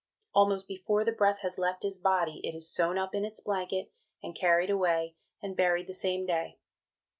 Almost before the breath has left his body it is sewn up in its blanket, and carried away and buried the same day.